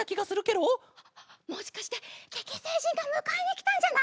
もしかしてケケせいじんがむかえにきたんじゃない？